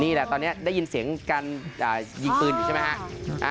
นี่แหละตอนนี้ได้ยินเสียงการยิงปืนอยู่ใช่ไหมฮะ